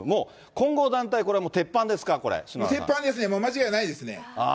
混合団体、鉄板ですね、間違いないですね。